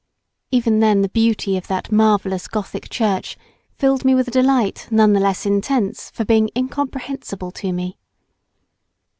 Even then the beauty of that marvellous Gothic church filled me with a delight none the less intense for being incomprehensible to me.